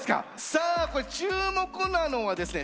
さあこれ注目なのはですね